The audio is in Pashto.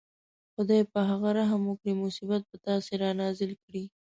خدای په هغه رحم وکړي مصیبت په تاسې رانازل کړي.